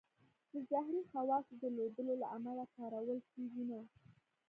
د زهري خواصو درلودلو له امله کارول کېږي نه.